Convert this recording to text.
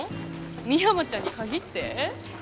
深山ちゃんに限って？